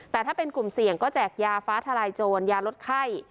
แต่ถ้าเป็นกลุ่มเสี่ยงก็แจกยาฟ้าทลายโจรยาลดไข้